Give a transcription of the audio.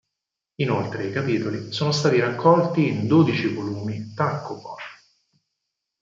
Inoltre i capitoli sono stati raccolti in dodici volumi tankōbon.